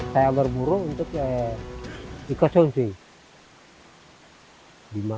saya berburu untuk dikonsumsi